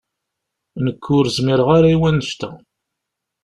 Nekk ur zmireɣ ara i wannect-a.